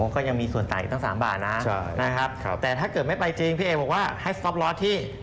ก็ยังมีส่วนจ่ายอีกตั้ง๓บาทนะครับแต่ถ้าเกิดไม่ไปจริงพี่เอกบอกว่าให้สต๊อปลอสที่